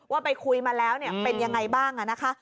ว่าไปคุยมาแล้วเป็นไงบ้างอ่ะนะคะ